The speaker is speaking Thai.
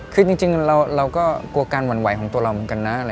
คือจริงเราก็กลัวการหวั่นไหวของตัวเราเหมือนกันนะ